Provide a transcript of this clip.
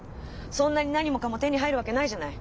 そんなに何もかも手に入るわけないじゃない。